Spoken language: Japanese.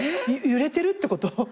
揺れてるってこと？